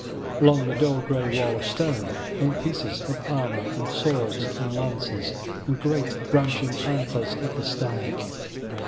Along the dull gray wall of stone hung pieces of armor, and swords and lances, and great branching antlers of the stag.